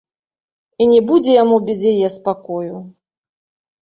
І не будзе яму без яе спакою!